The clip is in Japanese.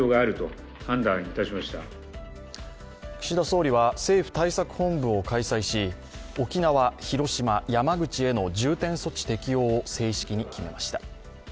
岸田総理は政府対策本部を開催し沖縄、広島、山口への重点措置適用を正式に決めました。